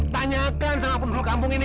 tanyakan sama penduduk kampung ini